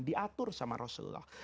diatur sama rasulullah